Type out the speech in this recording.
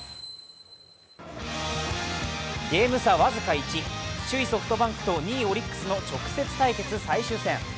ゲーム差僅か１、首位・ソフトバンクと２位・オリックスの直接対決。